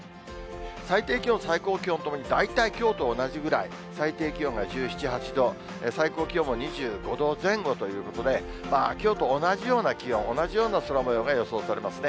最低気温、最高気温ともに大体きょうと同じぐらい、最低気温が１７、８度、最高気温も２５度前後ということで、きょうと同じような気温、同じような空もようが予想されますね。